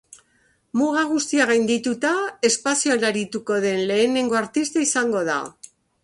Muga guztiak gaindituta, espazioan arituko den lehenengo artista izango da.